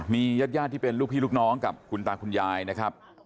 มีญาติที่เป็นลูกพี่ลูกน้องกับคุณตาคุณยายนะครับ